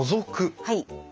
はい。